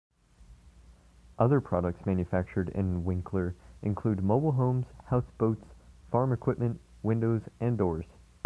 Other products manufactured in Winkler include mobile homes, houseboats, farm equipment, windows and doors.